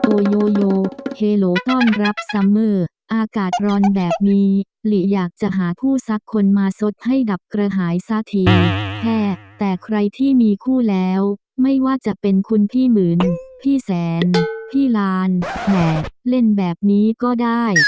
โยโยเฮโลต้อนรับซัมเมอร์อากาศร้อนแบบนี้หลีอยากจะหาผู้สักคนมาสดให้ดับกระหายซะทีแพทย์แต่ใครที่มีคู่แล้วไม่ว่าจะเป็นคุณพี่หมื่นพี่แสนพี่ลานแหมเล่นแบบนี้ก็ได้